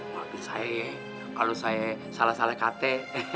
waktu saya kalau saya salah salah kakek